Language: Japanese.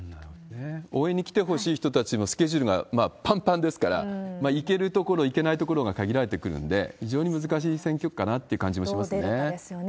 応援に来てほしい人たちもスケジュールがぱんぱんですから、行ける所、行けない所が限られてくるんで、非常に難しい選挙かなっていう感じはしますよね。